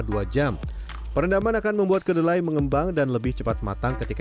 dua jam perendaman akan membuat kedelai mengembang dan lebih cepat matang ketika